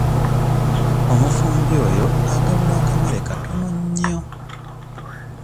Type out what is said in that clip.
Omufumbi oyo agabula akamere katono nnyo.